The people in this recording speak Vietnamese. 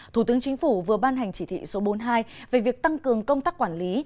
thủ tướng chính phủ vừa ban hành chỉ thị số bốn mươi hai về việc tăng cường công tác quản lý